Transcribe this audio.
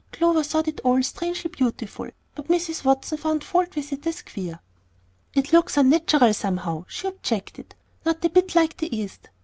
Clover thought it all strangely beautiful, but Mrs. Watson found fault with it as "queer." "It looks unnatural, somehow," she objected; "not a bit like the East.